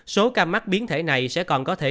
số ca mắc biến thể này sẽ còn có thể